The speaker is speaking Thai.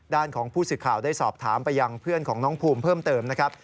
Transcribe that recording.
ของผู้สื่อข่าวได้สอบถามไปยังเพื่อนของน้องภูมิเพิ่มเติมนะครับ